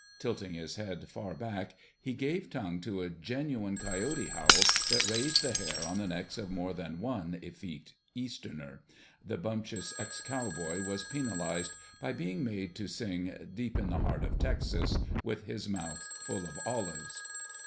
Tilting his head far back, he gave tongue to a genuine coyote howl that raised the hair on the necks of more than one "effete Easterner." The bumptious ex cowboy was penalized by being made to sing "Deep in the Heart of Texas" with his mouth full of olives.